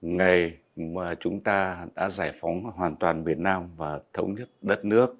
ngày mà chúng ta đã giải phóng hoàn toàn miền nam và thống nhất đất nước